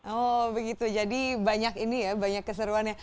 oh begitu jadi banyak ini ya banyak keseruannya